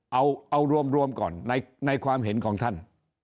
เอารวมก่อนในความเห็นของท่าน